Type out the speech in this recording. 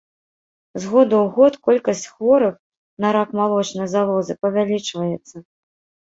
З года ў год колькасць хворых на рак малочнай залозы павялічваецца.